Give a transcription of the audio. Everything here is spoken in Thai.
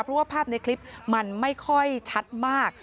เพราะว่าภาพในคลิปมันไม่ค่อยชัดมาก